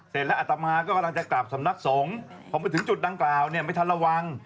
เสร็จแล้วอัตมาก็กำลังจะกลับสำนักสงฆ์พอมาถึงจุดดังกล่าวเนี่ยไม่ทันระวัง